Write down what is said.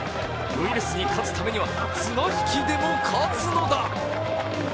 ウイルスに勝つためには綱引きでも勝つのだ！